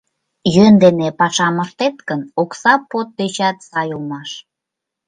— Йӧн дене пашам ыштет гын, окса под дечат сай улмаш.